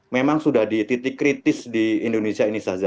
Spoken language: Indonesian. memang sudah di titik kritis di indonesia ini saja